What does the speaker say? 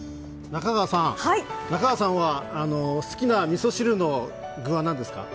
中川さんは好きなみそ汁の具は何ですか。